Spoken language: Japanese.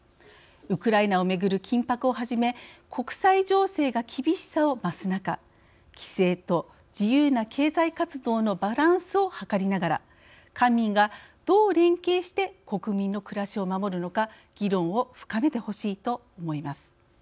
ウクライナを巡る緊迫をはじめ国際情勢が厳しさを増す中規制と自由な経済活動のバランスをはかりながら官民がどう連携して国民の暮らしを守るのか議論を深めてほしいと思います。